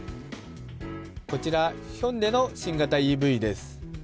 こちらヒョンデの新型ＥＶです。